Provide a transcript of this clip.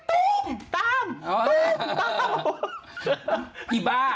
ที่เคยให้ไปจริงจักร